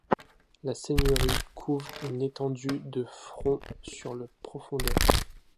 La seigneurie couvre une étendue de de front sur de profondeur.